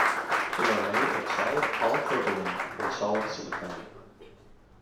They are made of solid polypropylene or solid silicone.